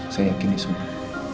saya yakin itu semua